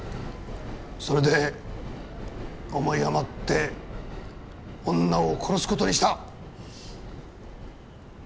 それで思い余って女を殺すことにした。